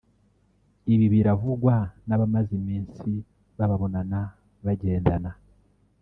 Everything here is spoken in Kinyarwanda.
Ibi biravugwa n’abamaze iminsi bababonana bagendana